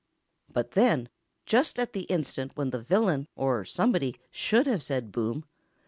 But then, just at the instant when the villain or somebody should have said "Boom!"